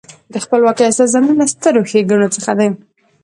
د خپلواکۍ احساس زموږ له سترو ښېګڼو څخه دی.